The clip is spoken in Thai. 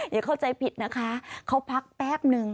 อย่าเข้าใจผิดนะคะเขาพักแป๊บนึง